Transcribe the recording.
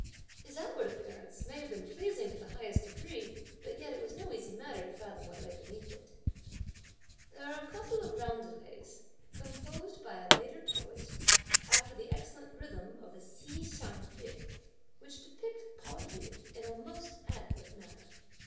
His outward appearance may have been pleasing to the highest degree, but yet it was no easy matter to fathom what lay beneath it. There are a couple of roundelays, composed by a later poet, (after the excellent rhythm of the) Hsi Chiang Yueh, which depict Pao yü in a most adequate manner.